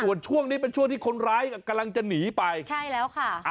ส่วนช่วงนี้เป็นช่วงที่คนร้ายกำลังจะหนีไปใช่แล้วค่ะ